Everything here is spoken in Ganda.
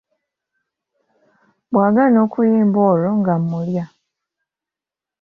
Bw’agaana okuyimba olwo ng’amulya.